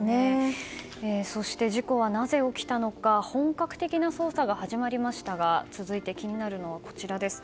そして事故はなぜ起きたのか本格的な捜査が始まりましたが続いて気になるのはこちら。